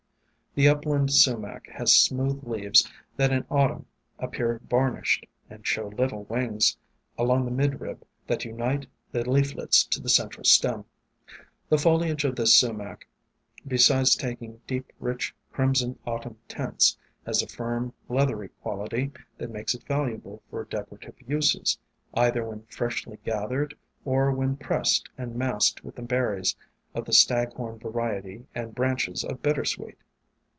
The Upland Sumac has smooth leaves that in Autumn appear varnished, and show little wings along the midrib that unite the leaflets to the central stem. The foliage of this Sumac, besides taking deep rich crimson Autumn tints, has a firm leathery quality that makes it valuable for decora tive uses, either when freshly gathered or when pressed and massed with the berries of the Stag horn variety and branches of Bittersweet.